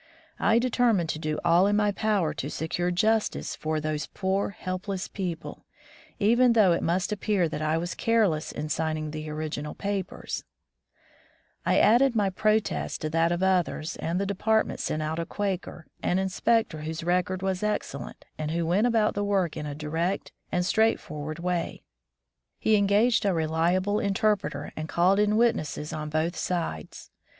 I determined to do all in my power to secure justice for those poor, helpless people, even though it must appear that I was careless in signing the original papers. ISO War toith the Politicians I added my protest to that of others, and the department sent out a Quaker, an inspector whose record was excellent and who went about the work in a direct and straightforward way. He engaged a reliable interpreter, and called in witnesses on both sides.